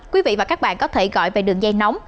quý vị và các bạn có thể gọi về đường dây nóng